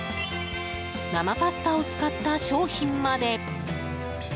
生パスタを使った商品まで。